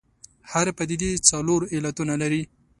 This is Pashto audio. هرې پدیدې څلور علتونه لري.